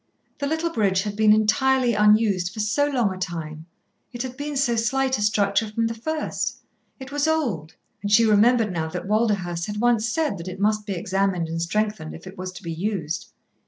The little bridge had been entirely unused for so long a time, it had been so slight a structure from the first; it was old, and she remembered now that Walderhurst had once said that it must be examined and strengthened if it was to be used.